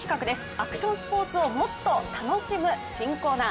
アクションスポーツをもっと楽しむ新コーナー。